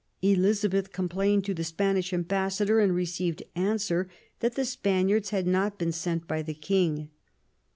Eliza beth complained to the Spanish ambassador, and received answer that the Spaniards had not been sent by the King.